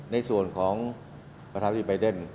ในส่วนของประชาธิบัยเดน